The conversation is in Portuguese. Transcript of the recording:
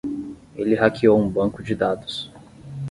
Ele hackeou um banco de dados.